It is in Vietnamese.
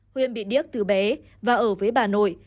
huyền bị điếc từ bé và ở với bà nội